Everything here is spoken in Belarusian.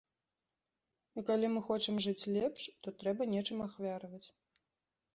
І калі мы хочам жыць лепш, то трэба нечым ахвяраваць.